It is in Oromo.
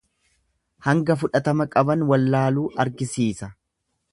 Hanga fudhatama qaban wallaaluu argisiisa.